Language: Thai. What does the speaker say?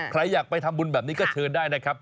ใครอยากไปทำบุญแบบนี้ก็เชิญได้นะครับ